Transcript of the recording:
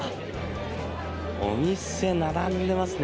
お店、並んでますね。